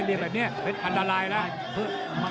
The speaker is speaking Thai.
เหลี่ยมแบบนี้อันดรายแล้ว